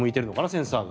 センサーが。